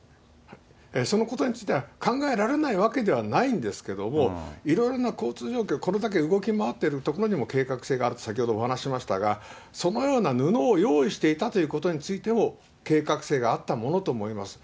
そのことについては考えられないわけではないんですけども、いろいろな交通状況、これだけ動き回っているところにも計画性がある、先ほどお話しましたが、そのような布を用意していたということについても、計画性があったものと思います。